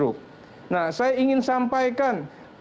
adanya pemilih mewakili karena sistemnya yang begitu besar